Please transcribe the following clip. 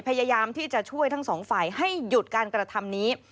พยายามที่จะช่วยทั้งสองฝ่ายให้หยุดการกระทำนี้